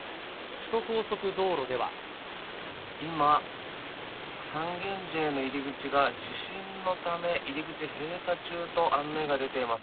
今、三軒茶屋の入り口が地震のため、入り口閉鎖中と案内が出ています。